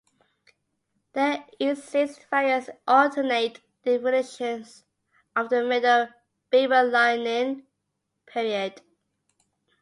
There exists various alternate definitions of the Middle Babylonian period.